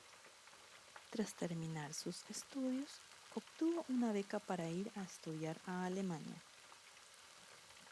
Tras terminar sus estudios obtuvo una beca para ir a estudiar a Alemania.